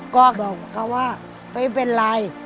ก็บอกเขาว่าไม่เป็นไร